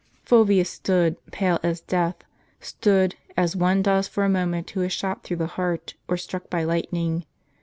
" Fulvius stood, pale as death : stood, as one does for a mo ment who is shot through the heart, or struck by lightning.